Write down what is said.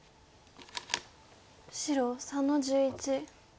白３の十一。